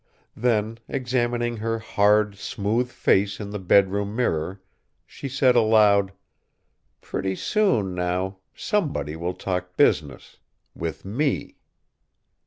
Then, examining her hard, smooth face in the bedroom mirror, she said aloud: "Pretty soon, now, somebody will talk business with me."